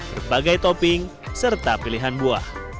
berbagai topping serta pilihan buah